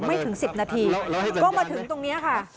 ไม่ถึง๑๐นาทีก็มาถึงตรงนี้ค่ะ